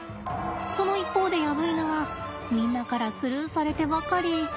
その一方でヤブイヌはみんなからスルーされてばかり。